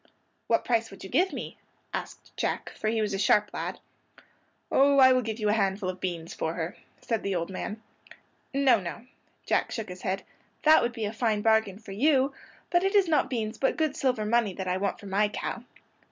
"What price would you give me?" asked Jack, for he was a sharp lad. "Oh, I will give you a handful of beans for her," said the old man. "No, no," Jack shook his head. "That would be a fine bargain for you; but it is not beans but good silver money that I want for my cow."